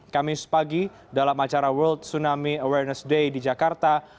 kamis pagi dalam acara world tsunami awareness day di jakarta